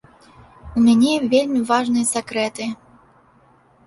У мяне вельмі важныя сакрэты.